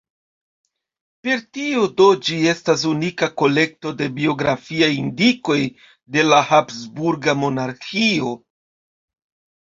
Per tio do ĝi estas unika kolekto de biografiaj indikoj de la habsburga monarĥio.